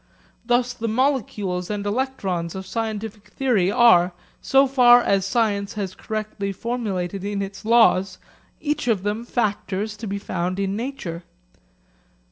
Thus the molecules and electrons of scientific theory are, so far as science has correctly formulated its laws, each of them factors to be found in nature.